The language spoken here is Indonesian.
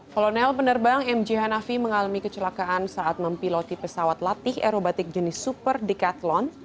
kolonel penerbang mj hanafi mengalami kecelakaan saat mempiloti pesawat latih aerobatik jenis super de cathlon